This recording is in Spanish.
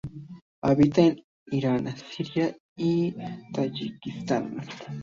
Habita en Irán Siria y Tayikistán.